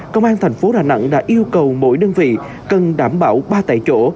công an thành phố đà nẵng đã yêu cầu mỗi đơn vị cần đảm bảo ba tại chỗ